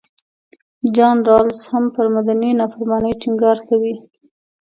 جان رالز هم پر مدني نافرمانۍ ټینګار کوي.